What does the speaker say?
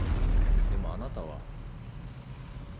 でもあなたは。